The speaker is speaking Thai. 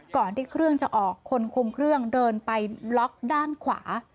ก่อนที่เครื่องจะออกคนคุมเครื่องเดินไปล็อกด้านขวา